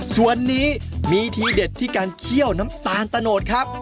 ส่วนนี้มีทีเด็ดที่การเคี่ยวน้ำตาลตะโนดครับ